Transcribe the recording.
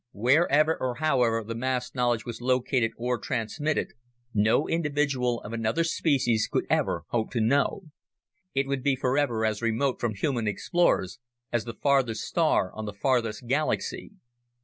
Wherever or however the mass knowledge was located or transmitted, no individual of another species could ever hope to know. It would be forever as remote from human explorers as the farthest star on the farthest galaxy.